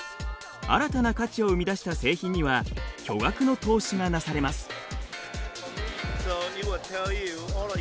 新たな価値を生み出した製品には巨額の投資がなされます。